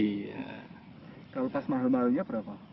kalau tas mahal mahalnya berapa